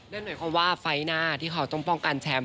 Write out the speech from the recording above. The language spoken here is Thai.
นั่นหมายความว่าไฟล์หน้าที่เขาต้องป้องกันแชมป์